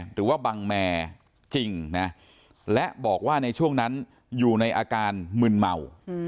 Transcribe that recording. หรือว่าบังแมจริงนะและบอกว่าในช่วงนั้นอยู่ในอาการมึนเมา